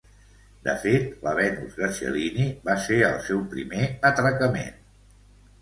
De fet, la Venus de Cellini va ser el seu primer atracament.